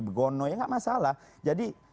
begono ya nggak masalah jadi